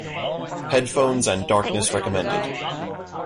Headphones and darkness recommended.